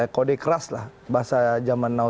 kode keras lah bahasa zaman now